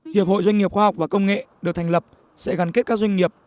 hiệp hội doanh nghiệp khoa học và công nghệ được thành lập sẽ gắn kết các doanh nghiệp